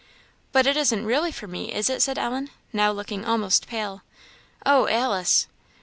"But it isn't really for me, is it?" said Ellen, now looking almost pale "oh, Alice!"